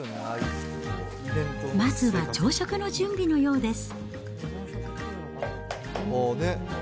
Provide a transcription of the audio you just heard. まずは朝食の準備のようです。